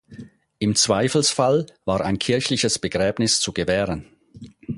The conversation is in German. Im Zweifelsfall war ein kirchliches Begräbnis zu gewähren.